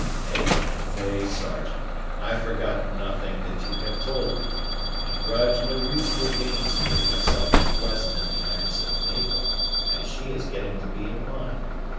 "Nay, nay, Sergeant, I've forgotten nothing that you have told me, and grudge no reasonable pains to make myself as pleasant in the eyes of Mabel as she is getting to be in mine.